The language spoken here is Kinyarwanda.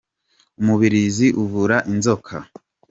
Umubirizi uvura inzoka.